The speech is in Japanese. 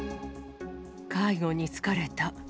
介護に疲れた。